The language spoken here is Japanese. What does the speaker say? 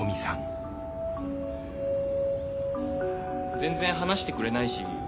全然話してくれないし。